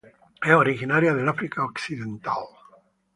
Es originario del África occidental.